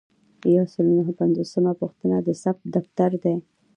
یو سل او نهه پنځوسمه پوښتنه د ثبت دفتر دی.